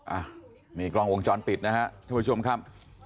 อ่ะนี่กล้องวงจรปิดนะฮะท่านผู้ชมครับ